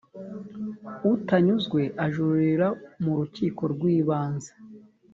utanyuzwe ajurira mu rukiko rw’ ibanze.